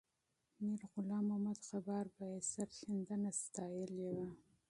میرغلام محمد غبار به یې سرښندنه ستایلې وه.